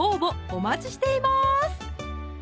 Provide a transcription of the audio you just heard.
お待ちしています